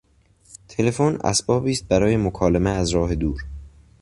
تلفن اسبابی است برای مکالمه از راه دور.